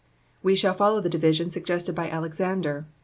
— We shall follow the division suggested by Alexander.